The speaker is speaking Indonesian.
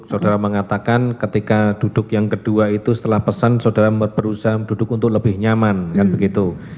saudara mengatakan ketika duduk yang kedua itu setelah pesan saudara berusaha duduk untuk lebih nyaman kan begitu